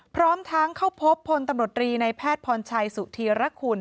พร้อมทั้งเข้าพบพลตำรวจรีในแพทย์พรชัยสุธีรคุณ